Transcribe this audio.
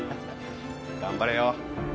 頑張れよ